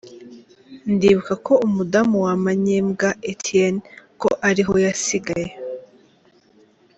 Ndibuka ko umudamu wa Manyembwa Étienne ko ariho yasigaye.